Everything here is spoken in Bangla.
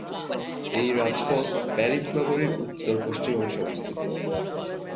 এই রাজপথ প্যারিস নগরীর উত্তর-পশ্চিমাংশে অবস্থিত।